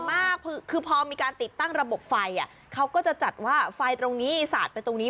มากคือพอมีการติดตั้งระบบไฟเขาก็จะจัดว่าไฟตรงนี้สาดไปตรงนี้